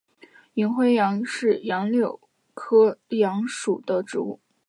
银灰杨是杨柳科杨属的植物。